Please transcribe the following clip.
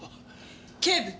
警部！